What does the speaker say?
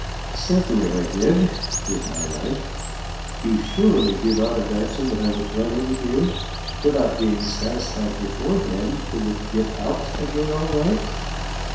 "Certainly I did," replied I. "You surely do not imagine that I would run in here, without being satisfied beforehand that we could get out again all right.